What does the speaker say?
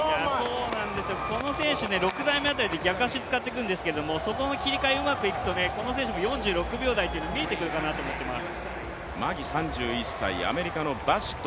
この選手、６台目辺りで逆足を使ってくるんですけどそこの切り替えうまくいくとこの選手も４６秒台というのが見えてくるかなと思ってます。